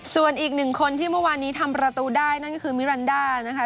ส่วนอีกหนึ่งคนที่เมื่อวานนี้ทำประตูได้นั่นก็คือมิรันดานะคะ